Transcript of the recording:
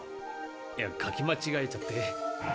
いや書きまちがえちゃって。